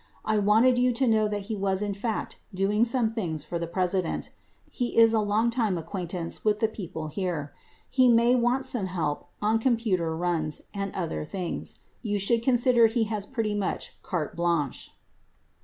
I wanted you to know that he was in fact doing some things for the President. He is a long time acquaintance with the peo ple here. He may want some help on computer runs and other things. You should consider he has pretty much carte blanche.